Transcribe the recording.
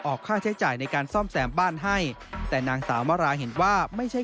ออกค่าใช้จ่ายในการซ่อมแสมบ้านให้